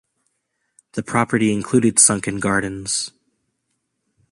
The property included sunken gardens.